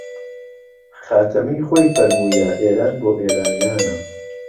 خاتەمی خۆی فەرموویە ئێران بۆ ئێرانیانە